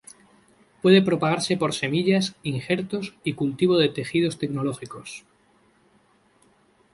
Puede propagarse por semillas, injertos y cultivo de tejidos tecnológicos.